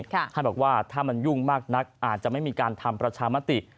ท่านบอกว่าถ้ามันยุ่งมากนักอาจจะไม่มีการทำประชามติ